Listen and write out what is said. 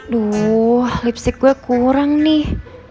duh lipstick gue kurang nih